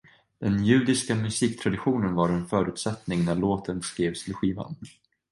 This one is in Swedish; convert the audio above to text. Den judiska musiktraditionen var en förutsättning när låten skrevs till skivan.